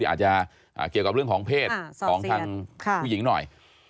ไม่จริงกับเรื่องของเพศของผู้หญิงหน่อย